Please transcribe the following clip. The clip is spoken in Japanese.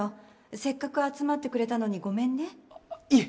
せっかく集まってくれたのにごめんねいえ